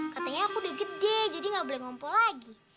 katanya aku udah gede jadi gak boleh ngompol lagi